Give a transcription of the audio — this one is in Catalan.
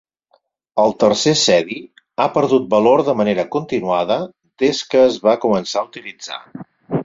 El tercer cedi ha perdut valor de manera continuada des que es va començar a utilitzar.